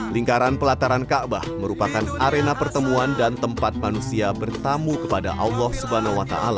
lingkaran pelataran kaabah merupakan arena pertemuan dan tempat manusia bertamu kepada allah swt